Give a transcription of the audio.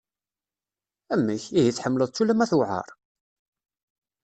Amek! Ihi tḥemmleḍ-tt ulamma tuɛer?